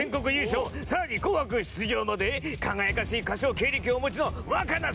さらに『紅白』出場まで輝かしい歌唱経歴をお持ちの和佳奈さん。